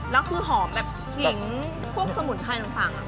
แล้วคือหอมแบบเสียงพวกสมุทรไทยต่าง